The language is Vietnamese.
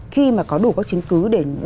khi mà có đủ các chứng cứ để